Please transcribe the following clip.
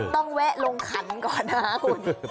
ต้องแวะลงขันก่อนนะคะคุณ